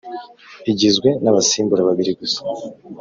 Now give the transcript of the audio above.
Igizwe n Abasimbura babiri gusa